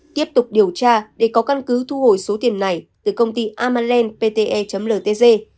tiếp tục điều tra để có căn cứ thu hồi số tiền này từ công ty amalend pte ltg